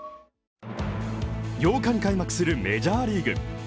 ８日に開幕するメジャーリーグ。